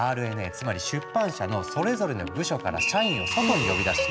つまり出版社のそれぞれの部署から社員を外に呼び出し